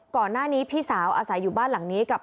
ก่อนหน้านี้พี่สาวอาศัยอยู่บ้านหลังนี้กับ